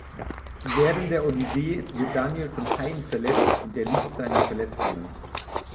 Während der Odyssee wird Daniel von Haien verletzt und erliegt seinen Verletzungen.